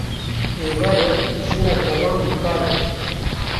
Êvar e jina gavan bi kar e